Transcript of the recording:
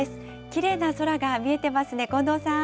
きれいな空が見えてますね、近藤さん。